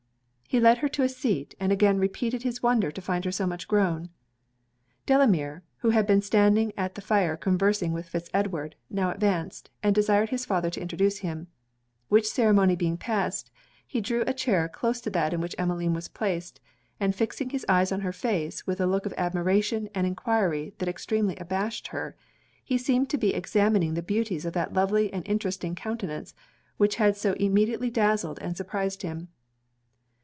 He led her to a seat, and again repeated his wonder to find her so much grown. Delamere, who had been standing at the fire conversing with Fitz Edward, now advanced, and desired his father to introduce him; which ceremony being passed, he drew a chair close to that in which Emmeline was placed; and fixing his eyes on her face with a look of admiration and enquiry that extremely abashed her, he seemed to be examining the beauties of that lovely and interesting countenance which had so immediately dazzled and surprized him.